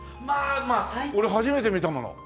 俺初めて見たもの。